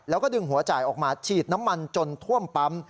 แล้วก็ดึงหัวจ่ายออกมาฉีดน้ำมันจนท่วมปั๊ม